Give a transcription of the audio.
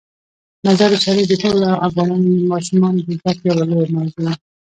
مزارشریف د ټولو افغان ماشومانو د زده کړې یوه لویه موضوع ده.